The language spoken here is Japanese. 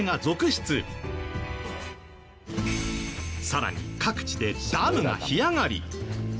さらに各地でダムが干上がり。